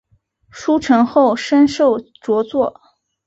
书成后升授着作。